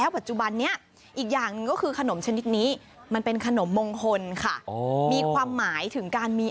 เอ่อมันก็คุ้นเป็นขนมคล้ายเท่า